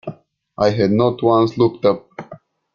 I had not once looked up.